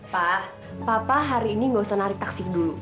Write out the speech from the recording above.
pa papa hari ini gak usah narik taksi dulu